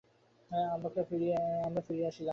আমরা ফিরিয়া আসিলাম।